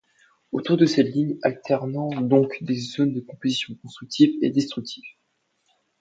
Autour de cette ligne alternent donc des zones de compositions constructives et destructives.